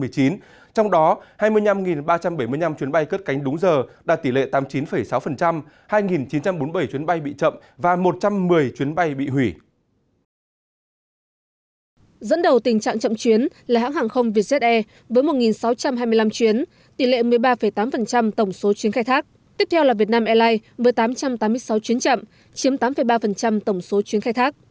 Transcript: tiếp theo là việt nam airline với tám trăm tám mươi sáu chuyến chậm chiếm tám ba tổng số chuyến khai thác